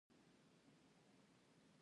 هایکو باید په لږ ځای کښي پراخ مفهوم ورکي.